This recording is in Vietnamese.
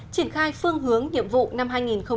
triển khai phương hướng nhiệm vụ năm hai nghìn một mươi chín